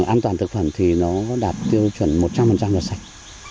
an toàn thực phẩm thì nó đạt tiêu chuẩn một trăm linh là sạch